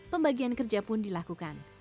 pembagian kerja pun dilakukan